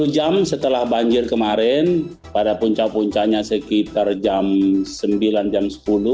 sepuluh jam setelah banjir kemarin pada punca puncanya sekitar jam sembilan sepuluh